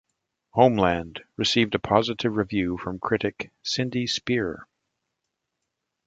"Homeland" received a positive review from critic Cindy Speer.